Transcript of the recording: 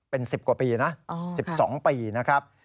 เป็น๑๐กว่าปีนะ๑๒ปีนะครับ